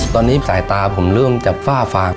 ตอนนี้สายตาผมเริ่มจะฝ้าฟาง